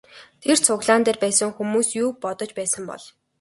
Тэр цуглаан дээр байсан хүмүүс юу бодож байсан бол?